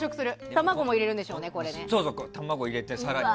卵も入れるんでしょ、これに。